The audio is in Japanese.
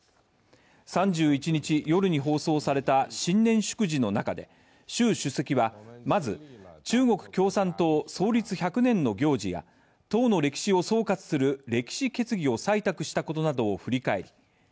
３１日夜に放送された新年祝辞の中で習主席はまず、中国共産党創立１００年の行事や党の歴史を総括する歴史決議を採択したことなどを振り返り